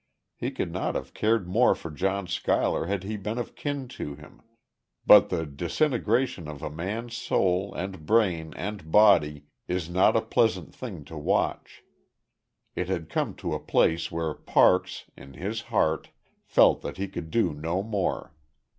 He could not have cared more for John Schuyler had he been of kin to him.... But the disintegration of a man's soul, and brain, and body, is not a pleasant thing to watch. It had come to a place where Parks, in his heart, felt that he could do no more.